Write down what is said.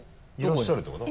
いらっしゃるってこと？